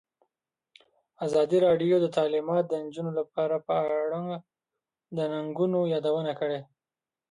ازادي راډیو د تعلیمات د نجونو لپاره په اړه د ننګونو یادونه کړې.